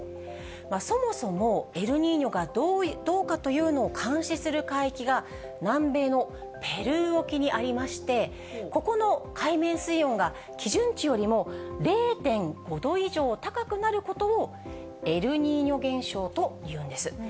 そもそも、エルニーニョかどうかというのを監視する海域が、南米のペルー沖にありまして、ここの海面水温が基準値よりも０．５度以上高くなることをエルニーニョ現象というんです。